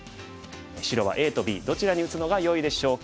白はＡとＢどちらに打つのがよいでしょうか。